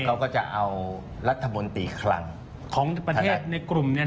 เราก็จะเอารัฐบนตรีคลังของประเทศในกลุ่มเนี่ย